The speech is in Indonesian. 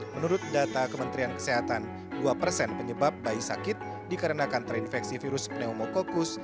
menurut data kementerian kesehatan dua penyebab bayi sakit dikarenakan terinfeksi virus pneumococcus